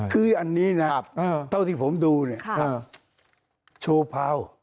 คืออันนี้นะเท่าที่ผมดูเนี่ยโชว์พาว